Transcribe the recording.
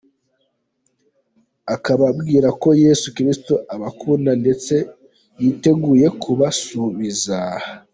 akababwira ko Yesu Kristo abakunda ndetse ko yiteguye kubasubiza.